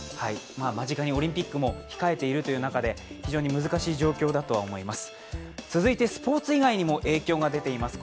間近にオリンピックも控えているという中で非常に難しい状況だとは思います。